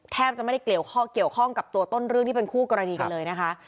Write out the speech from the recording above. จะไม่ได้เกี่ยวข้องกับตัวต้นเรื่องที่เป็นคู่กรณีกันเลยนะคะ